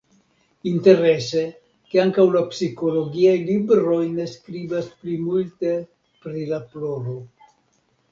Interese, ke ankaŭ la psikologiaj libroj ne skribas pli multe pri la ploro.